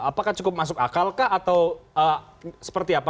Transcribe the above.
apakah cukup masuk akalkah atau seperti apa